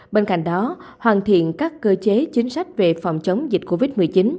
bên cạnh đó hoàn thiện các cơ chế chính sách về phòng chống dịch covid một mươi chín